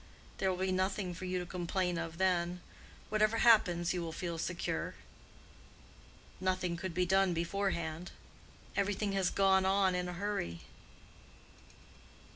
There will be nothing for you to complain of then. Whatever happens, you will feel secure. Nothing could be done beforehand. Every thing has gone on in a hurry."